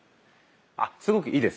すごくいいです。